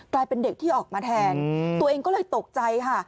กลายเป็นเด็กที่ออกมาแทนตัวเองก็เลยตกใจค่ะ